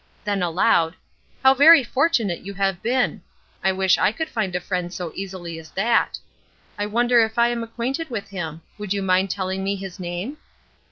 Then aloud: "How very fortunate you have been! I wish I could find a friend so easily as that! I wonder if I am acquainted with him? Would you mind telling me his name?"